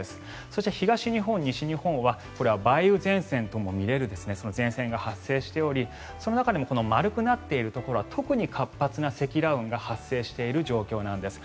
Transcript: そして東日本、西日本はこれは梅雨前線とも見れる前線が発生しており、その中でも丸くなっているところは特に活発な積乱雲が発生している状況なんです。